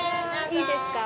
いいですか。